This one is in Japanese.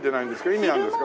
意味はあるんですか？